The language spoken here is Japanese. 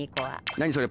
何それ！